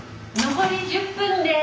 ・残り１０分です。